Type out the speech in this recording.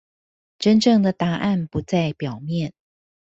真正的答案不在表面